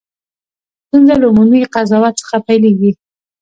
ستونزه له عمومي قضاوت څخه پیلېږي.